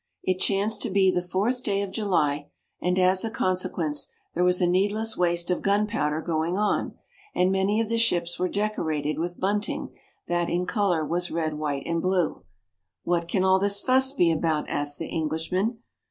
It chanced to be the fourth day of July, and as a consequence there was a needless waste of gunpowder going on, and many of the ships were decorated with bunting that in color was red, white and blue. "What can all this fuss be about?" asked the Englishman.